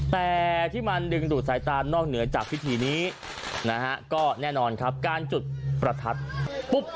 แต่ที่มันดึงดูดสายตานอกเหนือจากพิธีนี้นะฮะก็แน่นอนครับการจุดประทัดปุ๊บ